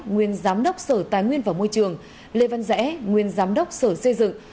nguyên giám đốc sở tài nguyên và môi trường lê văn rẽ nguyên giám đốc sở xây dựng